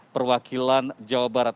perwakilan jawa barat